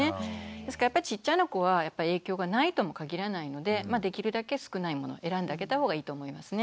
ですからちっちゃな子は影響がないとも限らないのでできるだけ少ないものを選んであげた方がいいと思いますね。